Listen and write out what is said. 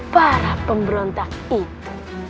para pemberontak itu